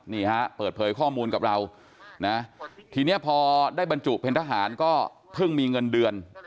นี่ฮะเปิดเผยข้อมูลกับเรานะทีนี้พอได้บรรจุเป็นทหารก็เพิ่งมีเงินเดือน